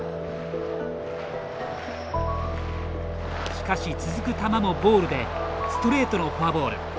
しかし続く球もボールでストレートのフォアボール。